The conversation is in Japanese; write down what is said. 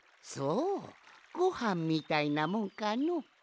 そうごはんみたいなもんかの。